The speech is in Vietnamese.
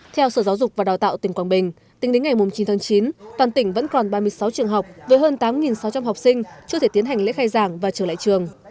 theo sở giáo dục và đào tạo tỉnh quảng bình tính đến ngày chín tháng chín toàn tỉnh vẫn còn ba mươi sáu trường học với hơn tám sáu trăm linh học sinh chưa thể tiến hành lễ khai giảng và trở lại trường